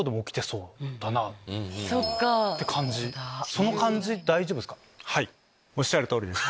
その感じで大丈夫っすか？